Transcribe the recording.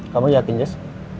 kamu yakin jess